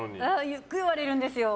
よく言われるんですよ。